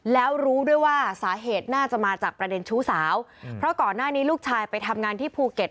แล้วรู้ด้วยว่าสาเหตุน่าจะมาจากประเด็นชู้สาวเพราะก่อนหน้านี้ลูกชายไปทำงานที่ภูเก็ต